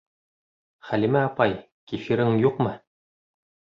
Хәлимә апай, кефирың юҡмы?